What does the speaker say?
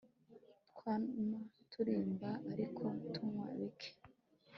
twama turirimba, ariko tunywa bike